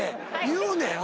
言うねん！